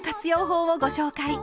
法をご紹介。